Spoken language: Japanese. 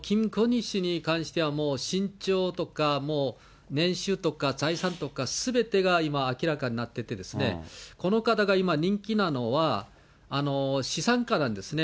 しかもこのキム・ゴンヒに関しては身長とかもう年収とか財産とかすべてが今明らかになっていて、この方が今人気なのは、資産家なんですね。